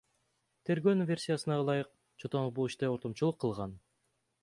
Тергөөнүн версиясына ылайык, Чотонов бул иште ортомчулук кылган.